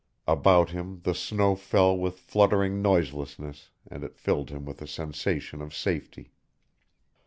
About him the snow fell with fluttering noiselessness and it filled him with a sensation of safety.